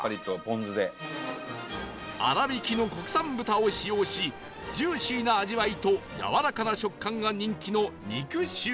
粗挽きの国産豚を使用しジューシーな味わいとやわらかな食感が人気の